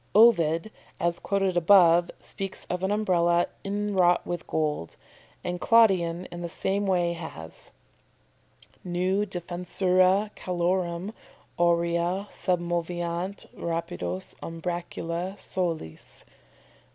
Ovid (as above quoted) speaks of an Umbrella inwrought with gold, and Claudian in the same way has: "Neu defensura calorem Aurea submoveant rapidos umbracula soles."